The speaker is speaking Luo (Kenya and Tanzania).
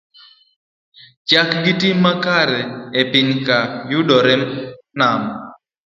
Chik gi tim makare e piny ka, yudore man